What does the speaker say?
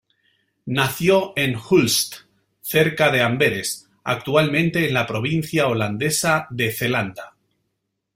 Nació en Hulst cerca de Amberes, actualmente en la provincia holandesa de Zelanda.